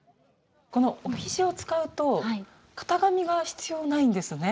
この帯地を使うと型紙が必要ないんですね。